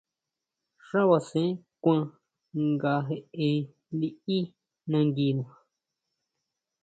Xá basen kuan nga jeʼe liʼí nanguina.